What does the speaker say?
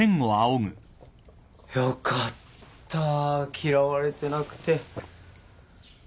よかった嫌われてなくて。